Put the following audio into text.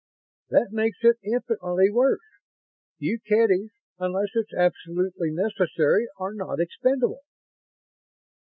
_ That makes it infinitely worse. You Kedys, unless it's absolutely necessary, are not expendable!"